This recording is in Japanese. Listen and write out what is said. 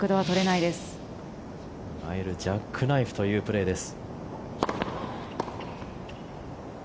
いわゆるジャックナイフといわれるプレーです。